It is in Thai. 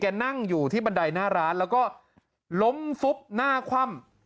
นั่งอยู่ที่บันไดหน้าร้านแล้วก็ล้มฟุบหน้าคว่ำ